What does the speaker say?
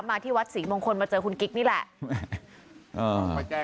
ที่วัดศรีมงคลมาเจอคุณกิ๊กนี่แหละ